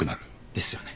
ですよね。